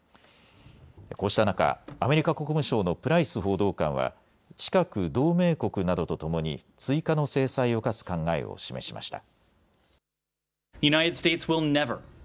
こうした中、アメリカ国務省のプライス報道官は近く同盟国などとともに追加の制裁を科す考えを示しました。